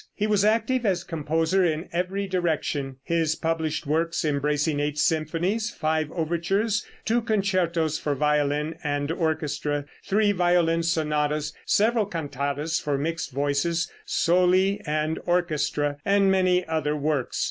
He was active as composer in every direction, his published works embracing eight symphonies, five overtures, two concertos for violin and orchestra, three violin sonatas, several cantatas for mixed voices, soli and orchestra, and many other works.